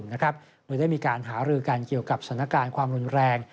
โดยได้มีการหารือกันเกี่ยวกับสถานการณ์ความรุนแรง